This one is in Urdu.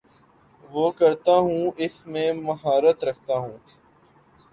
وہ کرتا ہوں اس میں مہارت رکھتا ہوں